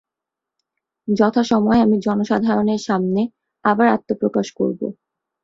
যথাসময়ে আমি জনসাধারণের সামনে আবার আত্মপ্রকাশ করব।